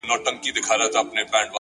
زحمت د راتلونکي حاصل خېزي زیاتوي.!